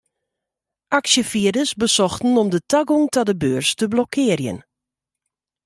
Aksjefierders besochten om de tagong ta de beurs te blokkearjen.